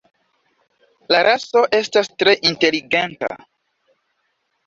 La raso estas tre inteligenta.